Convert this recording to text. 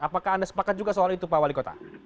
apakah anda sepakat juga soal itu pak wali kota